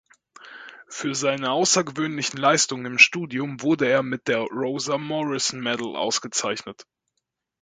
Für seine außergewöhnlichen Leistungen im Studium wurde er mit der Rosa Morrison Medal ausgezeichnet.